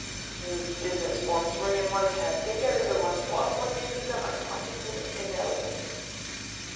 "These business forms ring in one's head. They get into one's blood. One uses them unconsciously and inelegantly."